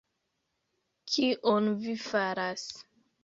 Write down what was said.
Kion vi faras!..